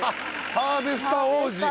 ハーベスタ王子。